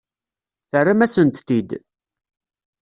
Terram-asent-t-id.